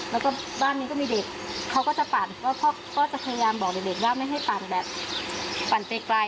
แล้วก็บ้านนี้ก็มีเด็กเขาก็จะปั่นก็จะพยายามบอกเด็กว่าไม่ให้ปั่นแบบปั่นไกล